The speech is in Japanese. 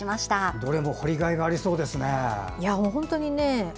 どれも掘りがいがありそうですね。